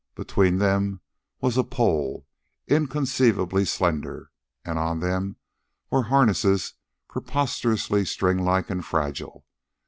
Between them was a pole inconceivably slender, on them were harnesses preposterously string like and fragile.